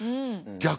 逆？